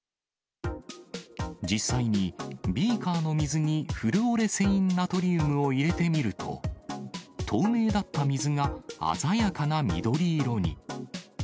実際にビーカーの水にフルオレセインナトリウムを入れてみると、透明だった水が鮮やかな緑色に。